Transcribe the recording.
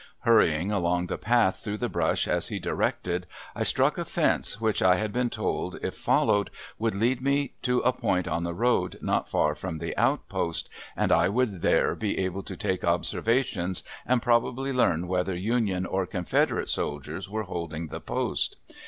Hurrying along the path through the brush as he directed I struck a fence which I had been told if followed would lead me to a point on the road not far from the outpost, and I would there be able to take observations and probably learn whether Union or Confederate soldiers were holding the post.